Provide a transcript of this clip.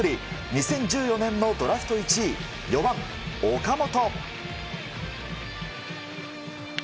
２０１４年のドラフト１位４番、岡本。